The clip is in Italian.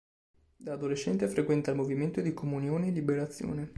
Da adolescente frequenta il movimento di Comunione e Liberazione.